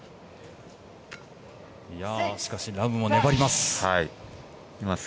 しかし、ラムも粘ります。